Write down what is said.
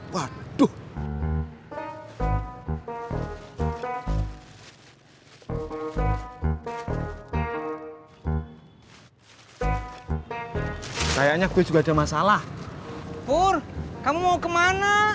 waduh kayaknya gue juga ada masalah pur kamu mau kemana